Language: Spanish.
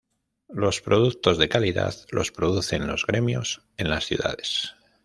Los productos de calidad los producen los gremios en las ciudades.